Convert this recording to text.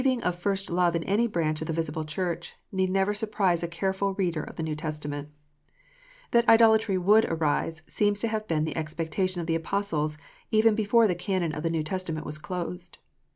A departure from the faith, a falling away, a leaving of first love in any branch of the visible Church, need never surprise a careful reader of the New Testament. That idolatry would arise, seems to have been the expecta tion of the Apostles, even before the canon of the New Testa ment was closed.